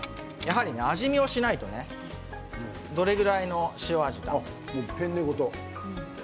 味見をしないとねどれぐらいの塩味か。